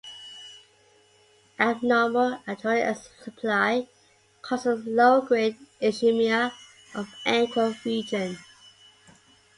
Abnormal arterial supply causes low-grade ischemia of ankle region.